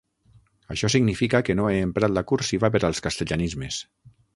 Això significa que no he emprat la cursiva per als castellanismes.